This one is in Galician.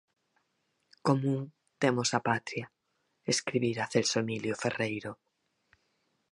Común temos a Patria, escribira Celso Emilio Ferreiro.